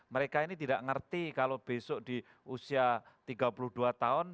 mereka ini tidak mengerti kalau besok di usia tiga puluh dua tahun